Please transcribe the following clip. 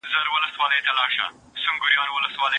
د نورو مال خوړل په شریعت کي حرام دي.